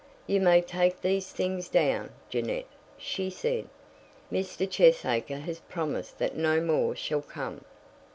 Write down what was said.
"You may take these things down, Jeannette," she said. "Mr. Cheesacre has promised that no more shall come."